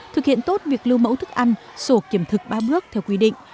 thực hiện tốt việc lưu mẫu thức ăn sổ kiểm thực ba bước theo quy định